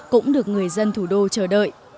cũng được người dân thủ đô chờ đợi